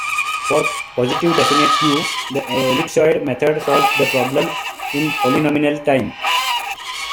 For positive definite "Q", the ellipsoid method solves the problem in polynomial time.